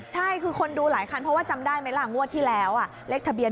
ใช่คือคนดูหลายคันเพราะว่าจำได้ไหมล่ะงวดที่แล้วเลขทะเบียน